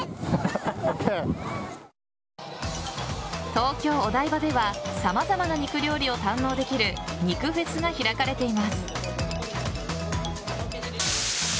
東京・お台場では様々な肉料理を堪能できる肉フェスが開かれています。